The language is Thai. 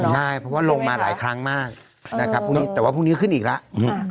ใช่เพราะว่าลงมาหลายครั้งมากแต่ว่าพรุ่งนี้ขึ้นอีกแล้ว